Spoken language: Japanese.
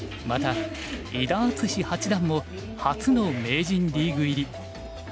また伊田篤史八段も初の名人リーグ入り。